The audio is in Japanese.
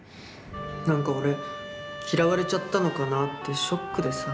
何か俺嫌われちゃったのかなってショックでさ。